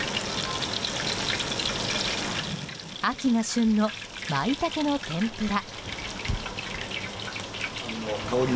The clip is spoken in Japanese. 秋が旬のマイタケの天ぷら。